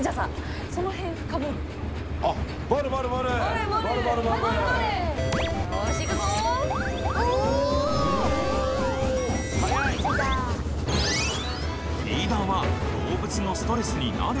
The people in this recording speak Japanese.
フィーダーは動物のストレスになる？